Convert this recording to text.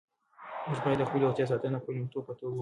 موږ باید د خپلې روغتیا ساتنه د خپل لومړیتوب په توګه ومنو.